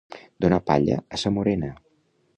Donar palla a sa morena.